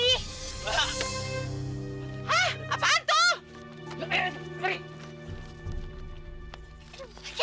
hah apaan tuh